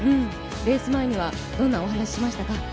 レース前にはどんなお話をしましたか？